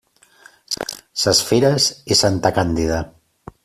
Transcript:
Ses Fires i Santa Càndida.